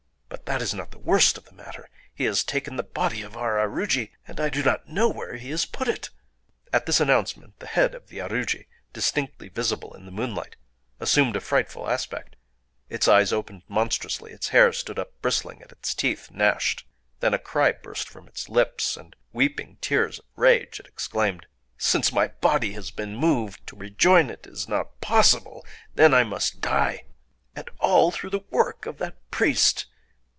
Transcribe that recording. But that is not the worst of the matter. He has taken the body of our aruji; and I do not know where he has put it." At this announcement the head of the aruji—distinctly visible in the moonlight—assumed a frightful aspect: its eyes opened monstrously; its hair stood up bristling; and its teeth gnashed. Then a cry burst from its lips; and—weeping tears of rage—it exclaimed:— "Since my body has been moved, to rejoin it is not possible! Then I must die!... And all through the work of that priest!